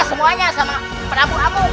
semuanya sama prabu amuk